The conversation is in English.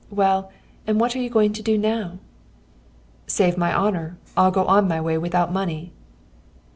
Well, and what are you going to do now?' "'Save my honour! I'll go on my way without money.'